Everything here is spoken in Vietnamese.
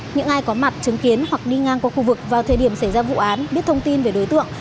những ai có mặt chứng kiến hoặc đi ngang qua khu vực vào thời điểm xảy ra vụ án biết thông tin về đối tượng